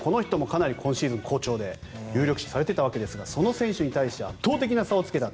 かなり今シーズン好調で有力視されていたわけですがその選手に対して圧倒的な差をつけた。